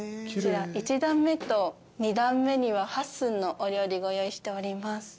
１段目と２段目には八寸のお料理ご用意しております。